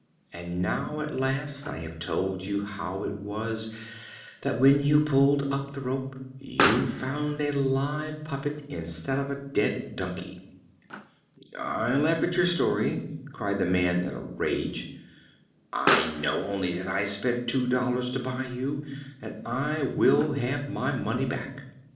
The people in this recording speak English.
And now, at last, I have told you how it was that when you pulled up the rope you found a live puppet instead of a dead donkey." "I laugh at your story," cried the man in a rage. "I know only that I spent two dollars to buy you, and I will have my money back.